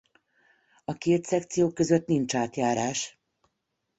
A két szekció között nincs átjárás.